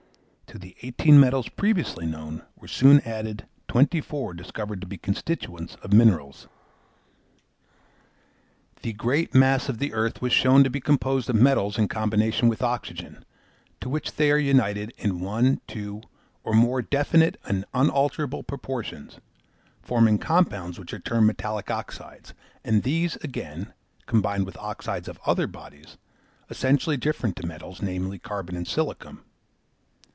To the eighteen metals previously known were soon added twenty four discovered to be constituents of minerals. The great mass of the earth was shown to be composed of metals in combination with oxygen, to which they are united in one, two, or more definite and unalterable proportions, forming compounds which are termed metallic oxides, and these, again, combined with oxides of other bodies, essentially different to metals, namely, carbon and silicium.